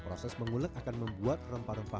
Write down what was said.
proses mengulek akan membuat rempah rempah